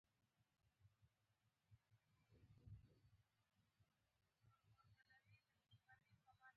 هغه غوښتل چې يو څه را وباسي او محاسبه يې کړي.